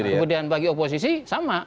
kemudian bagi oposisi sama